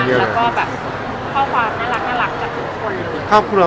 ไม่มีใครที่เข้ามา